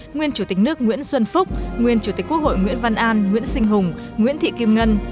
nguyên chủ tịch nước nguyễn xuân phúc nguyên chủ tịch quốc hội nguyễn văn an nguyễn sinh hùng nguyễn thị kim ngân